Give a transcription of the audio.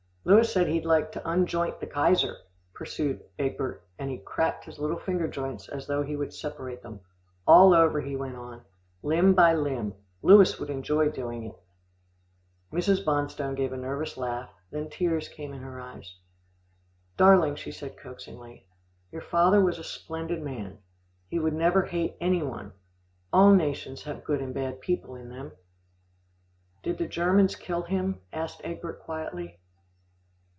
"Louis says he'd like to unjoint the Kaiser," pursued Egbert and he cracked his little finger joints as though he would separate them "All over," he went on, "limb by limb Louis would enjoy doing it." Mrs. Bonstone gave a nervous laugh, then tears came in her eyes. "Darling," she said coaxingly, "your father was a splendid man. He would never hate any one. All nations have good and bad people in them." "Did the Germans kill him?" asked Egbert quietly.